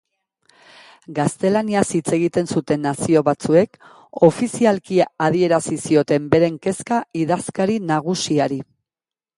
Gaztelaniaz hitz egiten zuten nazio batzuek ofizialki adierazi zioten beren kezka idazkari nagusiari.